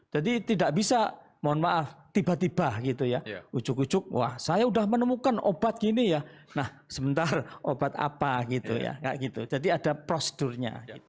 jadi tidak bisa mohon maaf tiba tiba gitu ya ujuk ujuk wah saya sudah menemukan obat gini ya nah sebentar obat apa gitu ya kayak gitu jadi ada prosedurnya gitu